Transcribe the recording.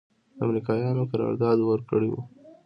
امریکایانو قرارداد ورکړی و.